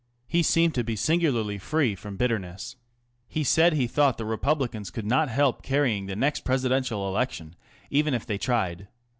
He seemed to be singularly free from bitterness. He said he thought the Republicans could not help carrying the next Presidential Election even if they tried.